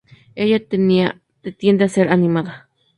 Ella tiende a ser animada.